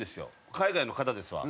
海外の方ですわ。